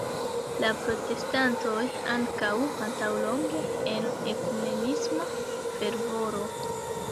La protestantoj ankaŭ antaŭlonge en ekumenisma fervoro.